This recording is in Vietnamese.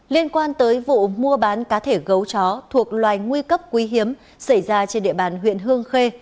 liên quan tới vụ mua bán cá thể gấu chó thuộc loài nguy cấp quý hiếm xảy ra trên địa bàn huyện hương khê